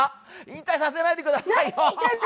引退させないでくださいよ。